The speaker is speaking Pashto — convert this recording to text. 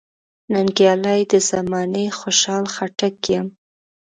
ننګیالی د زمانې خوشحال خټک یم .